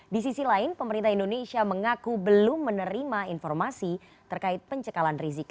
di sisi lain pemerintah indonesia mengaku belum menerima informasi terkait pencekalan rizik